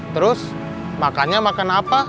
terus makannya makan apa